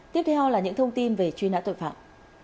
tiếp theo là những thông tin về truy nã tội phạm